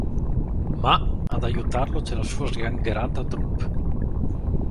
Ma, ad aiutarlo c'è la sua sgangherata troupe.